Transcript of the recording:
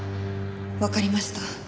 わかりました。